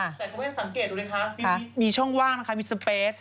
แต่เขาไม่สังเกตดูเลยค่ะมีช่องว่างนะคะมีสเปรส